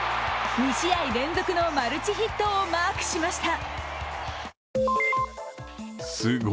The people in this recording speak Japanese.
２試合連続のマルチヒットをマークしました。